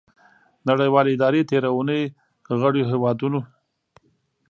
نړیوالې ادارې تیره اونۍ غړیو هیوادو